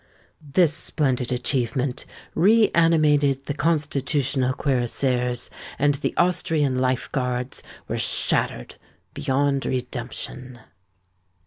This splendid achievement re animated the Constitutional cuirassiers; and the Austrian Life Guards were shattered beyond redemption.